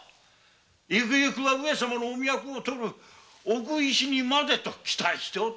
ゆくゆくは上様のお脈を取る奥医師にまでと期待しておったに。